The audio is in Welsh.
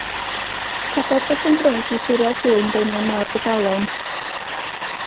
Tybed beth sy'n gwneud i Siriol Swyn deimlo mor ddigalon?